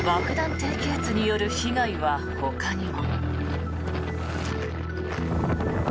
低気圧による被害はほかにも。